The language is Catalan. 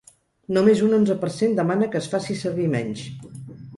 Només un onze per cent demana que es faci servir menys.